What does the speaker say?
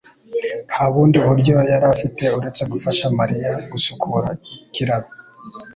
nta bundi buryo yari afite uretse gufasha Mariya gusukura ikiraro